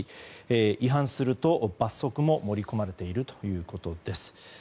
違反すると罰則も盛り込まれているということです。